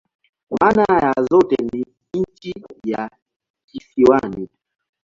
Maana ya zote ni "nchi ya kisiwani.